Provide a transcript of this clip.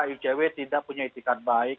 icw tidak punya itikat baik